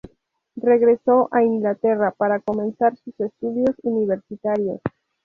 Regresó a Inglaterra para comenzar sus estudios universitarios.